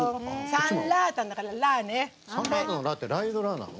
サンラータンのラーってラー油のラーなの？